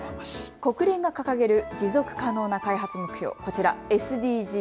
国連が掲げる持続可能な開発目標、こちら、ＳＤＧｓ。